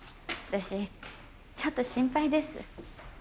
私ちょっと心配です。